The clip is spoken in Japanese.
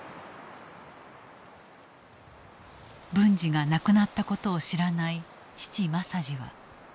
文次が亡くなったことを知らない父政次は返事を記した。